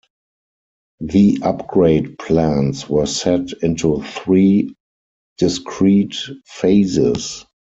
The upgrade plans were set into three discrete phases.